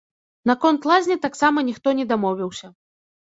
Наконт лазні таксама ніхто не дамовіўся.